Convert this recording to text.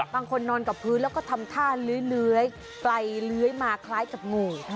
นอนกับพื้นแล้วก็ทำท่าเลื้อยไกลเลื้อยมาคล้ายกับงู